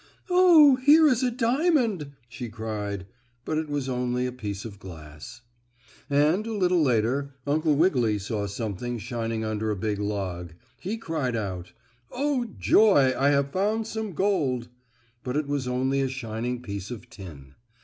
"Oh, here is a diamond!" she cried, but it was only a piece of glass. And, a little later Uncle Wiggily saw something shining under a big log. He cried out: "Oh, joy! I have found some gold." But it was only a shining piece of tin.